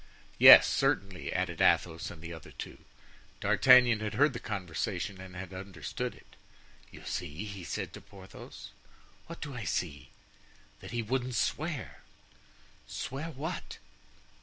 "Yes, certainly," added Athos and the other two. D'Artagnan had heard the conversation and had understood it. "You see?" he said to Porthos. "What do I see?" "That he wouldn't swear." "Swear what?"